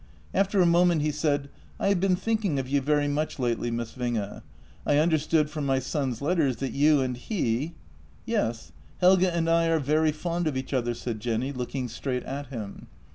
After a moment he said :" I have been thinking of you very much lately, Miss Winge — I understood from my son's let ters that you and he. ..."" Yes, Helge and I are very fond of each other," said Jenny, looking straight at him.